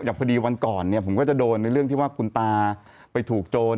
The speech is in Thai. พอดีวันก่อนเนี่ยผมก็จะโดนในเรื่องที่ว่าคุณตาไปถูกโจร